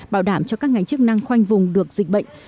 bảo đảm cho các ngành chức năng khoanh vùng được dịch bệnh